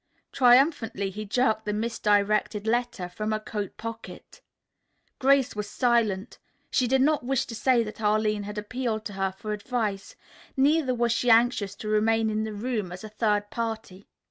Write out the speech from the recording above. Triumphantly he jerked the misdirected letter from a coat pocket. Grace was silent. She did not wish to say that Arline had appealed to her for advice, neither was she anxious to remain in the room as a third party.